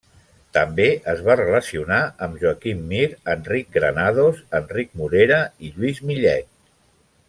També es va relacionar amb Joaquim Mir, Enric Granados, Enric Morera i Lluís Millet.